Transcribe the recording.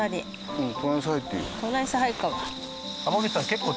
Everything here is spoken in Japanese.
うん。